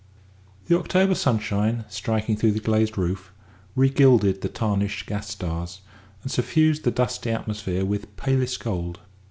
The October sunshine, striking through the glazed roof, re gilded the tarnished gas stars, and suffused the dusty atmosphere with palest gold.